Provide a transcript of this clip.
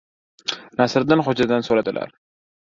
Nasriddin Xo‘jadan so‘radilar: